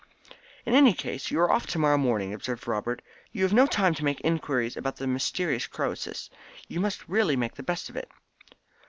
"In any case you are off to morrow morning," observed Robert. "You have no time to make inquiries about the mysterious Croesus. You must really make the best of it."